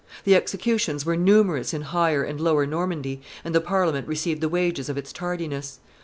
The executions were numerous in Higher and Lower Normandy, and the Parliament received the wages of its tardiness.